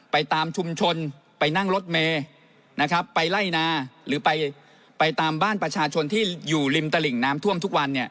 ไปตามชุมชนไปนั่งรถเมย์นะครับไปไล่นาหรือไปตามบ้านประชาชนที่อยู่ริมตลิ่งน้ำท่วมทุกวัน